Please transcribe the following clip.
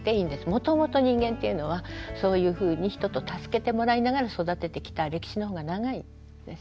もともと人間っていうのはそういうふうに人と助けてもらいながら育ててきた歴史のほうが長いんですね。